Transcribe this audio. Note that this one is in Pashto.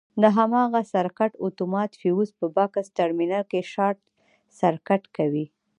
د هماغه سرکټ اتومات فیوز په بکس ټرمینل کې شارټ سرکټ کوي.